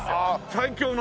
最強の。